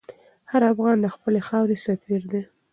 هر افغان د خپلې خاورې سفیر دی.